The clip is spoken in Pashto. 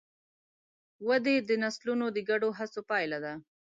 ودې د نسلونو د ګډو هڅو پایله ده.